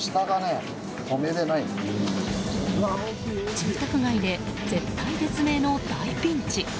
住宅街で絶対絶命の大ピンチ！